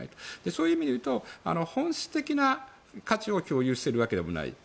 そういう意味でいうと本質的な価値を共有しているわけでもない。